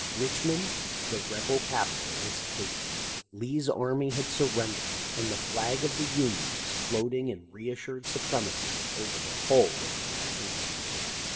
Richmond, the rebel capital, was taken ; Lee's army had surren dered ; and the flag of the Union was floating in reassured supremacy over the whole of the National domain.